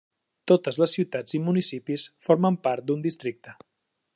Totes les ciutats i municipis formen part d'un districte.